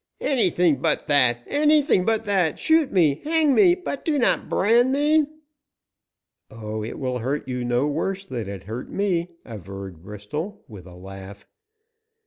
"Anything but that anything but that! Shoot me, hang me, but do not brand me!" "Oh, it will hurt you no worse than it hurt me," averred Bristol, with a laugh.